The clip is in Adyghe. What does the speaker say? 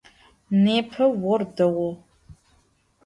Nêpe vor değu.